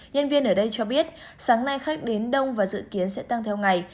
nhân viên ở đây cho biết sáng nay khách đến đông và dự kiến sẽ tăng theo ngày